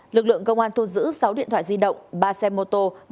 lực lượng công an thu giữ sáu điện thoại di động ba xe mô tô